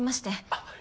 あっ。